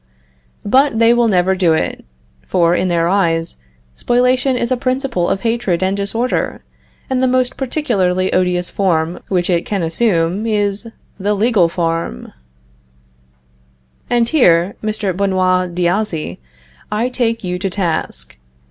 But they will never do it; for, in their eyes, spoliation is a principle of hatred and disorder, and the most particularly odious form which it can assume is the legal form. And here, Mr. Benoit d' Azy, I take you to task.